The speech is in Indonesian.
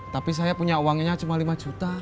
tapi saya punya uangnya cuma lima juta